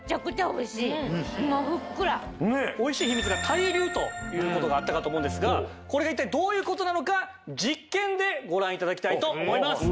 美味しい秘密が対流という事があったかと思うんですがこれが一体どういう事なのか実験でご覧頂きたいと思います。